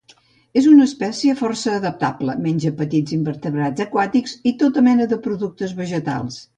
És una espècie força adaptable, menja petits invertebrats aquàtics i tota mena de productes vegetals.